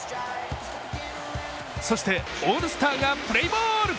そしてオールスターがプレーボール！